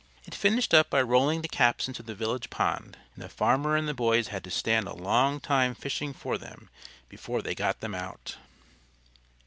It finished up by rolling the caps into the village pond, and the farmer and the boys had to stand a long time fishing for them before they got them out.